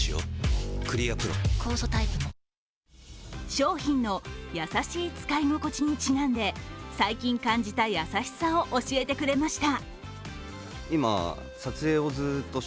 商品の優しい使い心地にちなんで最近感じた優しさを教えてくれました。